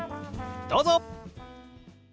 どうぞ！